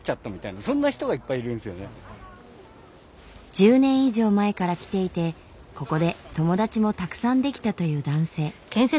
１０年以上前から来ていてここで友達もたくさん出来たという男性。